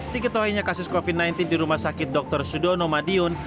diketuainya kasus covid sembilan belas di rumah sakit dr sudono madiun